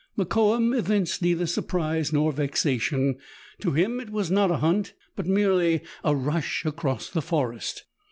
Mokoum evinced neither surprise nor vexation ; to him it was not a hunt, but merely a rush across the forest.